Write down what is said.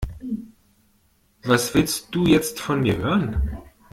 Was willst du jetzt von mir hören?